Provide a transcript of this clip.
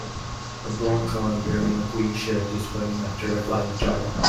A blond boy wearing a green shirt is running after a flying toy.